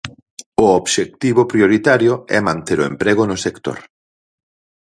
O obxectivo prioritario é manter o emprego no sector.